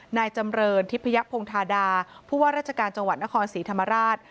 นายจำเรินทิพยพงธาดาผู้ว่าราชการจังหวัดนครศรีธรรมราช